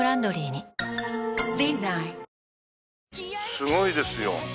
すごいですよ。